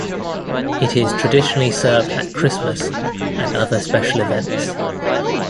It is traditionally served at Christmas and other special events.